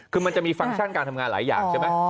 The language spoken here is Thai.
คือมันจะมีฟังก์ชั่นการทำงานหลายอย่างใช่ไหม